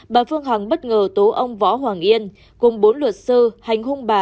bà phương hằng bất ngờ tố ông võ hoàng yên cùng bốn luật sư hành hung bà